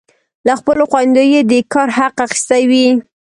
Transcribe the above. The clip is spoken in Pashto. له خپلو خویندو یې د کار حق اخیستی وي.